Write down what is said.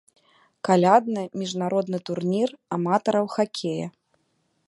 Калядны міжнародны турнір аматараў хакея.